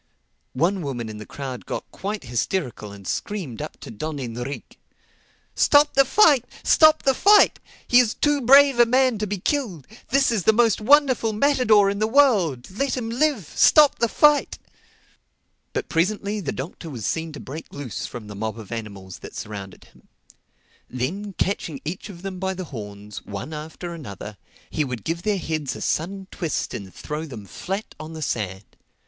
One woman in the crowd got quite hysterical and screamed up to Don Enrique, "Stop the fight! Stop the fight! He is too brave a man to be killed. This is the most wonderful matador in the world. Let him live! Stop the fight!" But presently the Doctor was seen to break loose from the mob of animals that surrounded him. Then catching each of them by the horns, one after another, he would give their heads a sudden twist and throw them down flat on the sand.